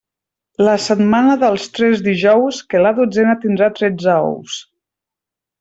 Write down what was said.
La setmana dels tres dijous, que la dotzena tindrà tretze ous.